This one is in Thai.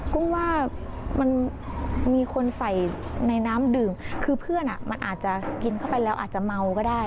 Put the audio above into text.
กุ้งว่ามันมีคนใส่ในน้ำดื่มคือเพื่อนมันอาจจะกินเข้าไปแล้วอาจจะเมาก็ได้